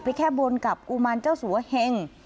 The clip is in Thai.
แค่บนกับกุมารเจ้าสัวเฮง